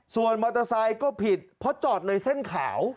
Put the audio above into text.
ส่วนมอเตอร์ไซค์ก็ผิดเพราะจอดเลยเส้นขาว